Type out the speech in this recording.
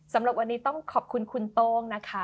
สำหรับวันนี้ต้องขอบคุณคุณโต้งนะคะ